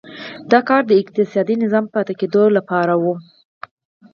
دا کار د اقتصادي نظام پاتې کېدو لپاره و.